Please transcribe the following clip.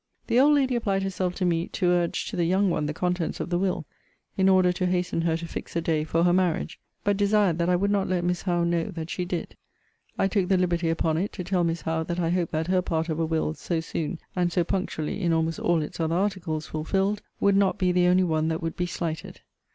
The old lady applied herself to me, to urge to the young one the contents of the will, in order to hasten her to fix a day for her marriage; but desired that I would not let Miss Howe know that she did. I took the liberty upon it to tell Miss Howe that I hoped that her part of a will, so soon, and so punctually, in almost all its other articles, fulfilled, would not be the only one that would be slighted.